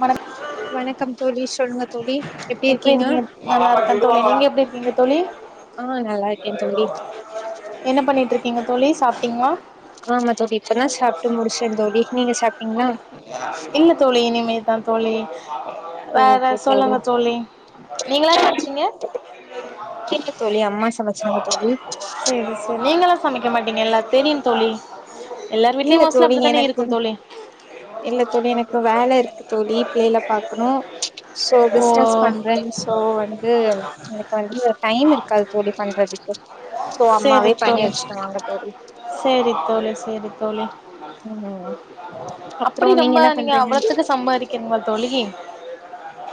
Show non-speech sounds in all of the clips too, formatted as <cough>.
மனம் வணக்கம் தோழி சொல்லுங்க தோழி எப்டி இருக்கீங்க இருக்கீங்கத் நல்லாருக்கே தோழி எங்க எப்டி இருக்கீங்க தோழி ஆ நல்லாக்கே தோழி என்ன பண்ணிட்ருக்கீங்க தோழி சாப்ட்டீங்ளா ஆமா தோட்டி இப்பதா சாப்ட்டு முடிச்சேங் தோழி நீங்க சாப்ட்டீங்ளா இல்ல தோழி இனிமேதா தோழி வேற சொல்லுங்க தோழி நீங்களா சம்ச்சீங்க தெரிலத் தோழி அம்மா சமச்சாங்க தோழி சோ நீங்களா சமைக்க மாட்டீங்க எல்லாத் தெரியுந் தோழி எல்லார் வீட்லியும் மோச்ல அப்டிதானே இருக்கும் தோழி இல்லத் தோழி எனக்கு வேல இருக்கு தோழி பிள்ளைல பாக்கணு சோ ஓ பிஸ்னஸ் பண்றேன் சோ வந்து எனக்கு வந்து டைம் இருக்காது தோழி பண்றதுக்கு சோ அம்மாவே பண்ணி வச்சுகுவாங்க தோழி சேரித் தோழி சேரித் தோழி ம் அப்றோ நீங்க என்னாப் பண்ணு அ அவளத்துக்கு சம்பாதிக்கனுங்ளா தோழி? <inaudible> <unintelligible>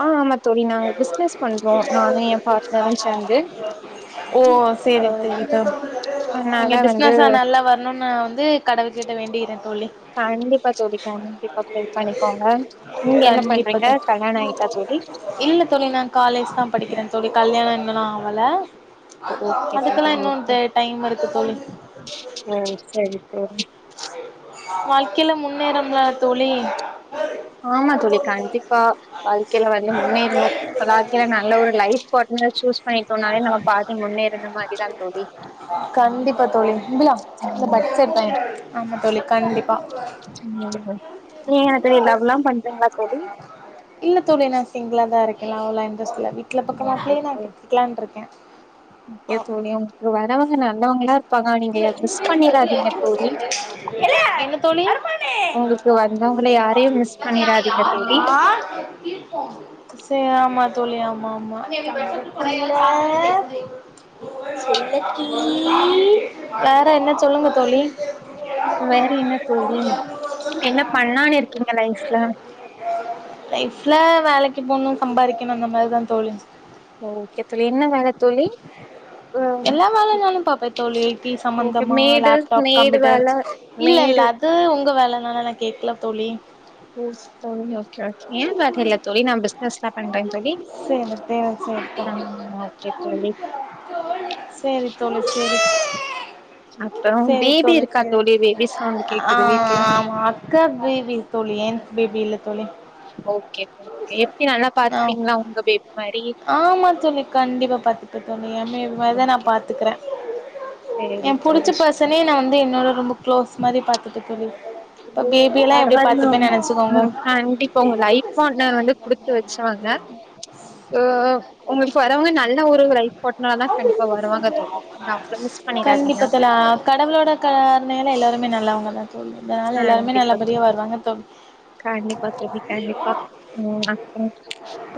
ஆ ஆமா தோழி நாங்க பிஸ்னஸ் பண்றோ நானு எ பார்ட்னரு சேந்து ஓ சேரி தேரி தோழி. நீங்க அதனால வந்து பிசினஸ்ல நல்லா வர்ணுன் நா வந்து கடவுள் கிட்ட வேண்டிகிறே தோழி. கண்டிப்பா தோழி கண்டிப் பா ப்ரே பண்ணிக்கோங்க. நீங்க என்ன கண்டிப்பா பண்றீங்க தோ கல்யாண ஆய்ட்டா தோழி? இல்ல தோழி நா காலேஜ்தா படிக்கிறே தோழி கல்யாணோ இன்னுலா ஆவல. ஓகே தோழி அதுக்கல்லா இன்னு ஓகே டு டைம் இருக்கு தோழி. ம் சரி தோழி வாழ்க்கைல முன்னேறம்ல தோழி. ஆமா தோழி கண்டிப்பா வாழ்க்கைல வந்து முன்னேறணு. கலாக்கில நல்ல ஒரு லைஃப் பாட்னர் சூஸ் பண்ணிட்டோன்னாலே நம்ம பாதி முன்னேறுன மாரிதா தோழி. ம் கண்டிப்பா தோழி. ம் ஆமா தோழி கண்டிப்பா. <unintelligible> நீங்க என்ன தோழி லவ்ல்லா பண்றீங்ளா தோழி? இல்ல தோழி நா சிங்ளாதா இருக்கே லவ்லா இன்ரெஸ்ட் இல்ல வீட்ல பாக்க மாப்ளையே நா கட்டிக்கலான்ருக்கே. <unintelligible> <inaudible> கே தோழி உங்குளுக்கு வரவங்க நல்லவங்களாருப்பாங்க நீங்க ய மிஸ் பண்ணிராதிங்க தோழி. என்ன தோழி? உங்களுக்கு வந்தவங்கள யாரையு மிஸ் ஹலோ? பண்ணிராதீங்க தோழி செ ஆமா தோழி ஆமா ஆமா. வேற என்ன சொல்லுங்க தோழி. வேற என்ன தோழி என்ன பண்லானு இருக்கீங்க லைஃப்ல? லைஃப்ல வேலைக்கு போணு சம்பாரிக்கணு அந்த மாரிதா தோழி. ஓகே தோழி என்ன வேலஞ தோழி? அஹ் எல்லா வேலைனாலு பாப்பே தோழி டி ஓகே சம்மந்தமா மேடு லேப்டாப் மேடு கம்ப்யூட்டர் வேல இல்ல இல்ல மேடு அ து உங்க வேலனால நா கேக்ல தோழி. ஓக் தோழி ஓகே ஓகே ஏ பாக்க இல்ல தோழி நா பிசினஸ் ஸ்டாட் பண்றேங் தோழி. சேரி சேரி ம் ஓக்கே தோழி. செரி தோழி செரி. அப்றோ செரி பேபி தோழி இருக்கா செரித் பேபி சவுண்ட் ஆ ஆ கேக்குது வீட்ல ஆமா. க்கா பேபி தோழி ஏன் பேபி இல்ல தோழி. ஓகே தோழி ஓகே எப்டி நல்லா ஆ பாத்துப்பீங்களா உங்க பேபி மாரி ஆமா தோழி கண்டிப்பா பாத்து ஓகே தோழி எ பேபி மாரிதா நா ஓகே பாத்துக்குறே. எ சேரி புடிச்ச தோழி பர்சனயே நா வந்து என்னோட ரொம்ப கு்ளோஸ் மாரி பாத்துப்ப தோழி. இப்ப <unintelligible> பேபியெல்லா எப்டி பரவான்ணு பாத்துப்பேன்னு நெனச்சுக்கோங்க உ கண்டிப்பா உங்க லைஃப் பாட்னர் வந்து குடுத்து வெச்சவங்க. உ உ உங்குளுக்கு வரவங்க நல்ல ஒரு லைஃப் பாட்னராதா கண்டிப்பா வருவாங்க தோழி. நீங்க அவுங்கள மிஸ் பண்ணிடாதீங்க. அ கடவுளோட கருணைல எல்லாருமே நல்லவங்கதா தோழி அதனால எல்லாருமே கண்டிப்பா நல்ல தோழி நெறையா வருவாங்க தோழி. கண்டிப்பா தோழி கண்டிப்பா ம் அப்றோ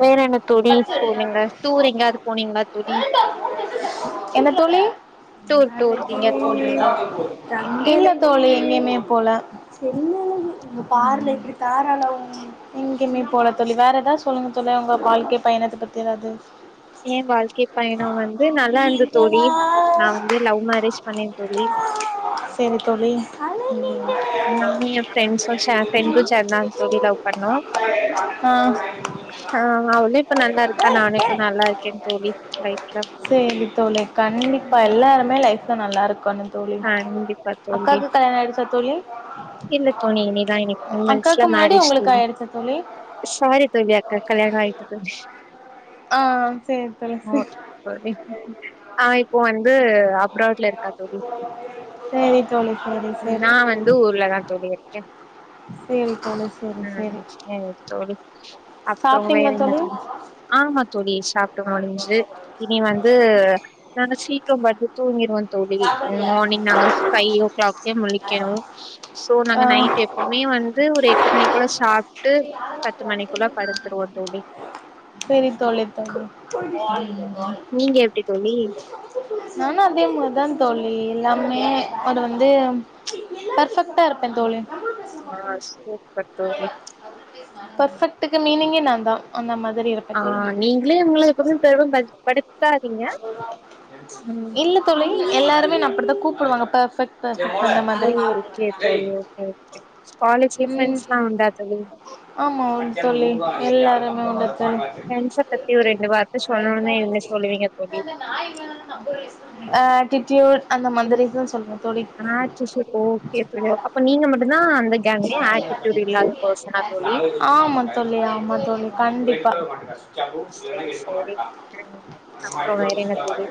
வேற என்ன தோழி சொல்லுங்க. டூர் எங்யாவ்து போனீங்ளா தோழி? என்ன தோழி டூர் டூர்க்கெங்யாத் போனீங்களா? இல்ல தோழி எங்கியுமே போல. இங்க பாருல ம் எப்படி தாரள எங்கியுமே போல தோழி வேற எதா சொல்லுங்க தோழி உங்க வாழ்க்கை பயணத்த பத்தி எதாது. ஏ வாழ்க்கை பயணம் வந்து நல்லா இருந்துது தோழி நா நீங்களா வந்து லவ் மேரேஜ் பண்ணே தோழி செரி தோழி ம் நானு எ ஃப்ரெண்ட்ஸு <inaudible> தோழி லவ் பண்ணோ ஆ ஆ நா வந்து இப்ப நல்லா இருக்க நானு இப்ப நல்லா இருக்கே தோழி லைஃப்ல ம் மே லைஃப்ல நல்லா இருக்கனு தோழி கண்டிப்பா தோழி. அக்காக்கு கல்யாண ஆயிடுச்சா தோழி இல்ல தோழி இனி தா இனி திரீ மன்த்ஸ்ல அக்காக்கு முன்னாடி மேரேஜ் உங்களுக்கு தோழி ஆயிடுச்சா தோழி சாரி தோழி அக்காக்கு கல்யாணம் ஆயிட்ருக்கு ஆ சேரி தோழி சேரி ஓகே தோழி ஆ இப்போ வந்து அப்ராட்ல இருக்கா தோழி <unintelligible> தோழி தோழி நா வந்து ஊர்ல தா தோழி இருக்கே சேரி தோழி சேரி சேரி ம் சேரித்தோழி அப்புற வேற என்ன தோழி ஆமா தோழி சாப்டு முடிஞ்சு இனி வந்து நாங்க சி ரோ படுத்து தூங்கிருவோ தோழி ம் மார்னிங் நாங்க ஃபைவ் ஓ க்ளாகே முழிக்கணு சோ ஆ நாங்க நைட்டு எப் போமே வந்து ஒரு எட்டு மணிக்குள்ள சாப்ட்டு பத்து மணிக்குள்ள படுத்துருவோ தோழி சேரி தோழி தோழி ம் நீங்க எப்டி தோழி நானு அதே மாரி தா தோழி எல்லாமே அது வந்து பர்ஃபெக்டா இருப்பே தோழி ஆ சூப்பர் தோழி பர்ஃபெக்ட்டுக்கு மீனிங்கே நா தா அந்த மாதிரி இருப் ஆ நீங்களே உங்கள எப்வுமே பெருமைபடு படுத் இல்ல தோழி எல்லாருமே என்ன அப்டித்தா கூப்பிடுவாங்க பர்ஃபெக்ட் பர்ஃபெக்ட்டுன்னு ஓ ஓகே தோழி ஓகே ஓகே காலேஜ்ல ம் பிரண்ட்ஸ்லா உண்டா தோழி ஆமா தோழி எல்லாருமே உண்டு தோழி ஃப்ரெண்ட்ஸ பத்தி ஒரு ரெண்டு வார்த்த சொல்லணுனா என்ன சொல்லுவீங்க தோழி ஆ ஆட்டிட்யூட் அந்த மாரி தா சொல்லுவே தோழி ஆட்டிட்யூட் ஓகே தோழி அப்ப நீங்க மட்டுந்தா அந்த கேங்கு ஆட்டிட்யூட் இல்லாத பர்சனா தோழி ஆமா தோழி ஆமா தோழி கண்டிப்பா செரி செரி ம் அப்றோ வேற என்ன தோழி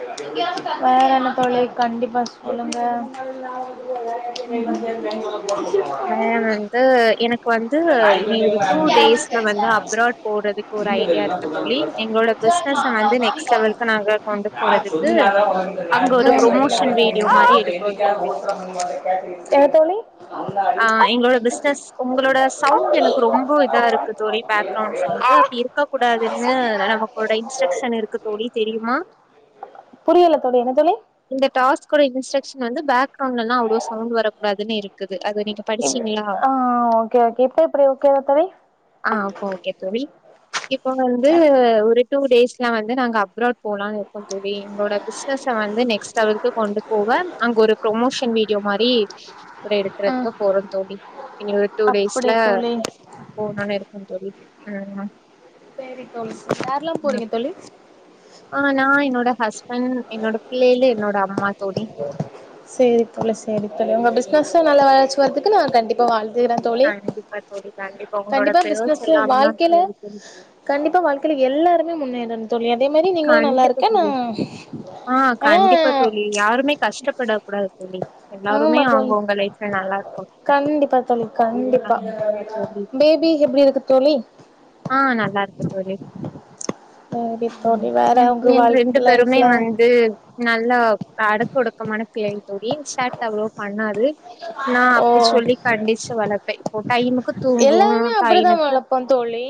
<unintelligible> வேற என்ன தோழி கண்டிப்பா சொல்லுங்க ம். <unintelligible> வேற வந்து எனக்கு வந்து இனி ஒரு டூடேஸ்ல வந்து அப்ராட் போற <unintelligible> ம் பிசினஸ வந்து நெக்ஸ்ட் லெவலுக்கு நாங்க கொண்டு போறதுக்கு அங்க ஒரு ப்ரொமோஷன் வீடியோ மாரி எடுக்குறோ தோழி என்ன தோழி பிசினஸ் உங்களோட சவுண்ட் எனக்கு ரொம்ப இதா இருக்கு தோழி பேக்ரவுண்ட் சவுண்டு அப்டி இருக்கக் கூடாதுன்னு நமக்குடை இன்ஸ்ட்ரக்ஷன் இருக்கு தோழி தெரியுமா புரியல தோழி என்ன தோழி இந்த டாஸ்கோட இன்ஸ்ட்ரக்ஷன் வந்து பேக்ரவுண்ட்லல்லா அவ்ளோ சவுண்ட் வரக் கூடாதுன்னு இருக்குது அத நீங்க எ படிச்சீங்களா ஆ ஓகே ஓகே இப்ப எப்டி ஓகே வா தோழி ஆ இப்ப ஓகே தோழி இப்போ வந்து ஒரு டூ டேஸ்ல வந்து நாங்க அப்ராட் போலானு கொஞ்சவே எங்களோட பிசினஸ்சா வந்து நெக்ஸ்ட் லெவல்க்கு கொண்டு போவ அங்க ஒரு ப்ரொமோஷன் வீடியோ மாறி கூடே ம் எடுக்கறதுக்கு போறோ தோழி இனி ஒரு டூ அப்டி டேஸ்ல தோழி போனோனே எடுக்கணு தோழி ம் ஆமா சேரி தோழி யாரல்லாம் போறீங்க தோழி ஆ நா என்னோட ஹஸ்பண்ட் என்னோட பிள்ளையளு என்னோட அம்மா தோழி சேரி தோழி சேரி தோழி உங்க பிஸ்னஸ்சு நல்ல வளர்ச்சி வரதுக்கு நா கண்டிப்பா வாழ்த் துறே தோழி கண்டிப்பா தோழி உங்களோட கண்டிப்பா பேர்ஸ் பிசினஸ் எல்லாம்தா வாழ்க்கையில தோழி தோழி கண்டிப்பா வாழ்க்கையில எல்லாருமே முன்னேறனு தோழி அதே மாதிரி நீங்களு கண்டிப்பா நல்லாருக்கே நா தோழி ஆ ஆனா கண்டிப்பா தோழி யாருமே கஷ்டப்படக் கூடாது தோழி எல்லாருமே ஆமா தோழி அவுங்கவுங்க லைப்ல நல்லாருக்கனு ம் கண்டிப்பா தோழி கண்டிப்பா ஆமா தோழி பேபி எப்புடி இருக்கு தோழி ஆ நல்லாருக்கு தோழி பேபி ம் தோழி வேற ஏ உங்க பிள்ளைங்க ரெண்டு வாழ்க்க பேருமே லைஃப்ல வந்து நல்லா அடக்கு ஒடுக்கமான பிள்ளைங்க தோழி சேட்ட அவ்ளோவு பண்ணாது நா ஓ அப்புடி சொல்லி கண்டிச்சு வளர்ப்பே இப்போ டைமுக்கு தூங்குவோ எல்லாருமே அப்டிதா டைமுக்கு வளப்போ தோழி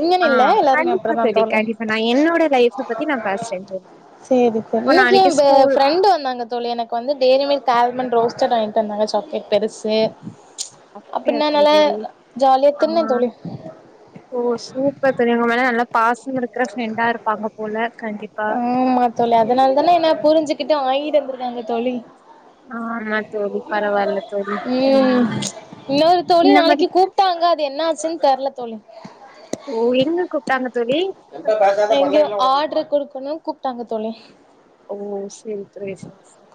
இங்கன்னு ஆ இல்ல எல்லாருமே கண்டிப்பா அப்டிதா தோழி கண்டிப்பா நா என்னோட லைஃப பத்தி நா பேசுறே தோழி சேரி தோழி இப்போ இன்னைக்கி ஏ நாளைக்கு ஃப ஸ்கூல் ஃப்ரெண்டு் வந்தாங்க தோழி எனக்கு வந்து டய்ரி மீ்க் ஆல்மண்ட் ரோஸ்டட் வாங்கிட்டு வந்தாங்க சாக்லேட் பெருசு ஆ டே நா நல்லா தோழி. ஜாலியா தின்ன தோழி ஓ சூப்பர் தோழி உங்க மேல நல்லா பாசோ இருக்குற ஃப்ரெண்டா இருப்பாங்க போல கண்டிப்பா ஆமா தோழி அதனால தான என்ன புரிஞ்சுகிட்டு வாங்கிட்டு வந்துருக்காங்க தோழி ஆமா தோழி பரவால்ல தோழி. ம் இன்னொரு தோழி இந்த மாரி நாளைக்கி கூப் டாங்க அது என்ன ஆச்சுன்னு தெர்ல தோழி ஓ எங்க கூப்டாங்க தோழி? எங்யோ ஆட்ரு குடுக்கணு கூப்டாங்க தோழி ஓ சேரி தோழி சேர் சேர்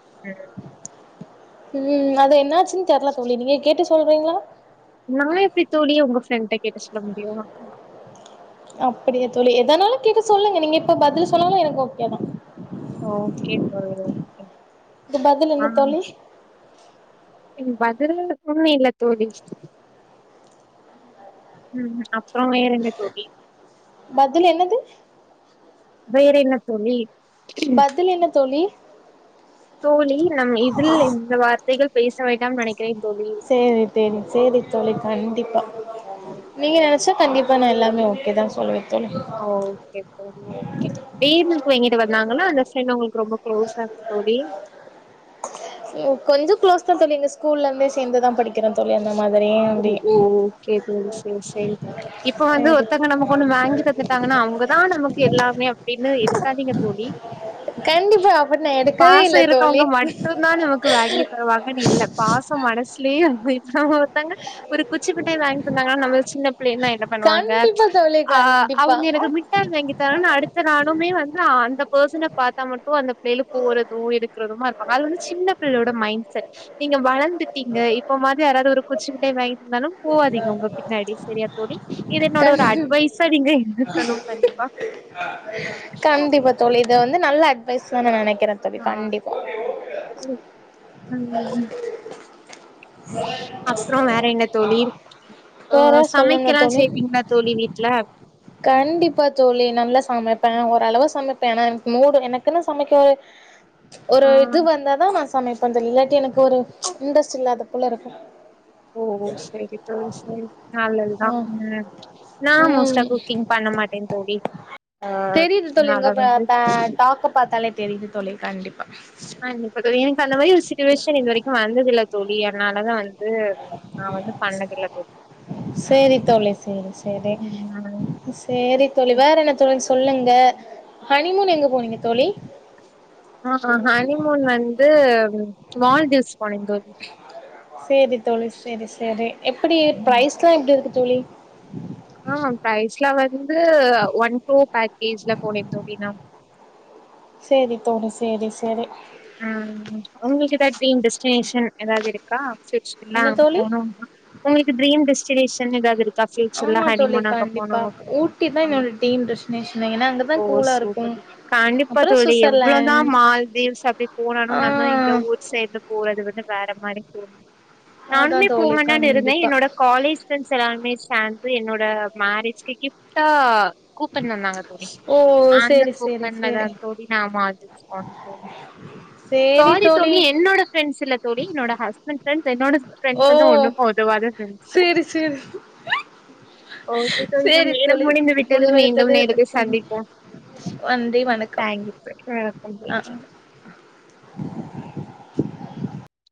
ம் அது என்னாச்சுன்னு தெர்ல தோழி, நீங்க கேட்டு சொல்றீங்களா, நா எப்டி தோழி உங்க ஃப்ரெண்ட கேட்டு சொல்ல முடியு? அப்டியா தோழி எதனாலு கேட்டு சொல்லுங்க நீங்க இப்ப பதிலு சொன்னாலு எனக்கு ஓகே தா ஓகே தோழி ஓகே. இது பதில் என்ன தோழி? ம் பதில்னு எப்பவுமே இல்ல தோழி ம் அப்றோ வேறன்ன தோழி பதிலு என்னது வேறன்ன தோழி பதில் என்ன தோழி தோழி நம் இதில் இந்த வார்த்தைகள் பேச வேண்டாம் நனைக்கிறேன் தோழி சேரி தெரியு சேரி தோழி கண்டிப்பா, ம் நீங்க சரி நெனச்சா கண்டிப் ட்டன எல்லாமே ஓகே தா சொல்லுவே தோழி ஆ ஓகே ஓகே திடீர்னு இப்போ என்கிட்ட வந்தாங்கனா அந்த ஃப்ரெண்ட் உங்கள்கு ரொம்ப குளோஸா தோழி அ கொஞ்சோ குளோஸ் தா தோழி எங்க ஸ்கூல்லேந்து சேந்து தா படிக் ம் ஹும் ஓ ஓகே தோழி சே சேர் சேரி இப்போ வந்து சேரி ஒர்தங்க நமக்கு ஒண்ணு வங்கி தந்துட்டாங்கன்னா அவுங்கதா நமக்கு எல்லாமே அப்டின்னு இருக்காதீங்க தோழி. கண்டிப்பா அப்ப நா எடுக்கவே பாச இல்ல தோழி இருக்கவுங்க மட்டு னா நமக்கு வாங்கி தருவாங்கனு இல்ல பாசம் மனசுலயே வந்து இருந்தா போதும் தங்கச் ஒரு குச்சி மிட்டாய் வங்கி தாந்தாங்கன்னா நம்மள சின்ன பிள்ளைன்னா என்ன பண்ணுவாங்க கண்டிப்பா ச்சு தோழி ஆ கண்டிப்பா அவ்ங்க எனக்கு மிட் மிட்டாய் வாங்கி தரன்னு அடுத்த நாளுமே வந்து அந்த பர்ஸ்சன பாத்தா மட்டு அந்த பிள்ளைளுக்கு ஒரு தோ இருக்கு இருக்குறதுமா இருப்பாங்க அது வந்து சின்ன பிள்ளோட மைண்ட் செட் நீங்க வளந்துட்டீங்க இப்பமா யாராவது ஒரு குச்சிமிட்டாய் வாங்கி தந்தாலும் போவாதீங்க உங்க பின்னாடி செரியா தோழி இது என்னோட கண் ஒரு அட்வைஸா நீங்க எடுக்கணும் கண்டிப்பா கண்டிப்பா தோழி இத வந்து நல்ல அட்வைஸ்ஸ நா நெனைக்கிற தோழி கண்டிப்பா ஆக்ட்டிவ் ம் ம் ம் ம் அப்ரோ வேற என்ன தோழி வேற ம்ம் சொல்லுங்க சமைக்கலா தோழி செய்வீங்களா தோழி வீட்டுல கண்டிப்பா தோழி நல்லா சமைப்ப ஓரளவு சமைப்ப ஆனா எனக்கு மூடு எனக்குன்னு சமக்க ஒரு ஆ இது வந்ததா நா சமைப்பேன் தோழி இல்லாட்டி எனக்கு ஒரு ச்சு இன்டரெஸ்ட் இல்லாத போல இருக்கு ஓ ஓ செரி தோழி செரி நல்லதுதா ஆ ம் நா ம் மோஸ்டா குக்கிங் பண்ண மாட்டேன் தோழி ஆ தெரியுது தோழி அதனால உங்க ப வந்து ப டாக்க பாத்தாலே தெரியுது தோழி கண்டிப்பா ஆ இப்ப <unintelligible> யோசிக்க சிட்டுவேஷன் இது வரைக்கு வந்ததில்ல தோழி அதனாலதா வந் இது நா வந்து பண்ணதில்ல தோழி சேரி தோழி சேரி சேரி ம் சேரி தோழி வேறென்ன தோழி சொல்லுங்க ஹனிமூன் எங்க போனீங்க தோழி ஆ ஹனிமூன் வந்து வால்தீவ்ஸ் போன தோழி சேரி தோழி சேரி சேரி எப்டி ம். பிரைஸ்லா எப்டி இருக்கு தோழி ஆ பிரைஸ்லா வந்து ஒன் டூ பேக்கேஜ்ல போனேங் தோழி நா சேரி தோழி சேரி சேரி ம் ம் உங்ககிட்ட எப்டி டிஸ்டினேஷன் ஏதாவது இருக்கா அப் ஸ்டேஸ் எல்லா என்ன தோழி போனும்னா உங்ளுக்கு டிரீம் டிஸ்டினேஷன் ஏதாவது இருக் தா ஃபியூச்சர்ல ஆமா தோழி ஹனிமூன் அங்க போனு கண்டிப்பா. <unintelligible> ஊட்டி தான் ஆ என்னோட டீம் டெஸ்டினேஷனே. ஏன்னா அங்க ஓ தான் கூலா இருக்கும். சூப்பர் கண்டிப்பா அப்புறம் தோழி எவ்ளோதா சுவிட்சர்லேண்ட் மால்தீவ்ஸ் அப் எப்டி போனாலு ஆ நம்ம இந்த ஊர் சைட்ல போறது வந்து வேற மாறி தோணு நானுமே அதான் தோழி போவேண்டான்னு இருந்த கண்டிப்பா. என்னோட காலேஜ் ஃப்ரண்ட்ஸ் எல்லாருமே சேந்து என்னோட மேரேஜிக்கு கிப்ட்டா கூப்பன் தந்தாங்க தோழி ஓ அந்த சேரி சேரி கூப்பன்லதா சேரி. தோழி நா மால்தீவ்ஸ் போனே தோழி சாரி தோழி என்னோட ஃபிரண்ட்ஸ் இல்ல தோழி என்னோட ஹஸ்பண்ட் ஃபிரண்ட்ஸ் என்னோட ஓ ஃபிரண்ட்ஸ் வந்து ஒண்ணுக்கு உதவாத ஃபிரண்ட்ஸ்சு சேரி சேரி. ஓகே தோழி நம் சேரி நேரம் தோழி. முடிந்து விட்டது மீண்டும் முன்வைத்தது நேரத்தை சந்திப்போ நன்றி வணக்கம். தேங்க்யூ தோழி வணக்கம் தோழி அ.